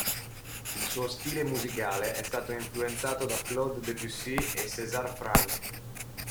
Il suo stile musicale è stato influenzato da Claude Debussy e César Franck.